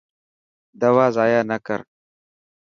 دوا زايا نا ڪر.